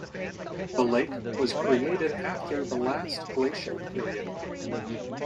The lake was created after the last glacial period.